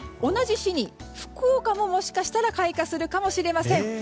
同じ日に福岡も、もしかしたら開花するかもしれません。